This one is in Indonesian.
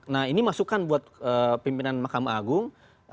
nah ini masukan buat pimpinan mahkamah agung